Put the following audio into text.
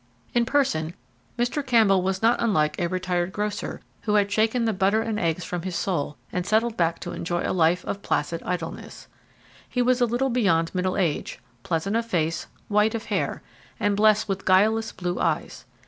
In person Mr. Campbell was not unlike a retired grocer who had shaken the butter and eggs from his soul and settled back to enjoy a life of placid idleness. He was a little beyond middle age, pleasant of face, white of hair, and blessed with guileless blue eyes.